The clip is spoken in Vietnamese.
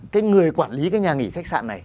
cái người quản lý cái nhà nghỉ khách sạn này